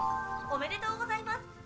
おめでとうございます。